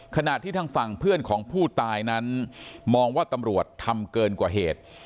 ขณะที่ทางฝั่งเพื่อนของผู้ตายนั้นมองว่าตำรวจทำเกินกว่าเหตุ